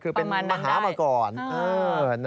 คือเป็นมหามาก่อน